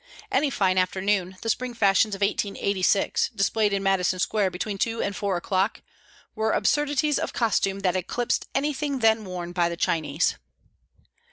Any fine afternoon the spring fashions of 1886, displayed in Madison Square between two and four o'clock, were absurdities of costume that eclipsed anything then worn by the Chinese.